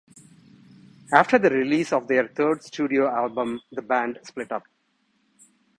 After the release of their third studio album, the band split up.